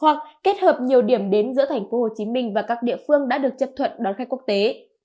hoặc kết hợp nhiều điểm đến giữa thành phố hồ chí minh và các địa phương đã được chấp thuận đón khách quốc tế